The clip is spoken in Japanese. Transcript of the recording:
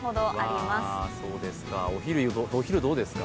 お昼どうですか？